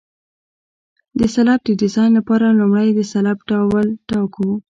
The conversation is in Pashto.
د سلب د ډیزاین لپاره لومړی د سلب ډول ټاکو